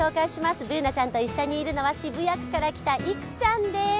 Ｂｏｏｎａちゃんと一緒にいるのは渋谷区から来たいくちゃんです。